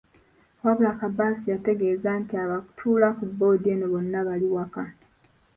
Wabula Kabatsi yategeezezza nti abatuula ku bboodi eno bonna bali waka.